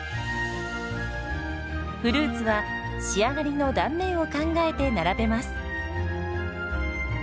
フルーツは仕上がりの断面を考えて並べます。